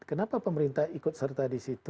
kenapa pemerintah ikut serta disitu